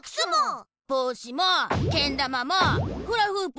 ぼうしもけんだまもフラフープも。